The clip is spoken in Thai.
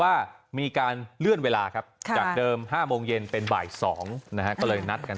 อย่าอธิบายว่าทำไมเดี๋ยวทำไม่ได้